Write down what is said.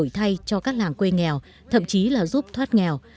đổi thay cho các làng quê nghèo thậm chí là giúp thoát nghèo